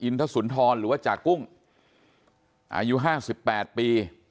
อินทสุนทรหรือว่าจ่ากุ้งอายุห้าสิบแปดปี